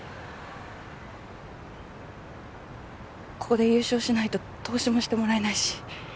ここで優勝しないと投資もしてもらえないし。